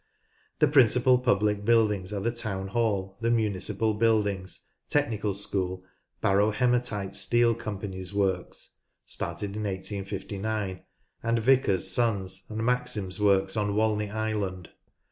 The principal public buildings are the Town Hall, the Muni cipal Buildings, Technical School, Barrow Hematite Steel Com pany's works (started in 1 859), and Vickers, Sons ami Maxim's works on Walney Island.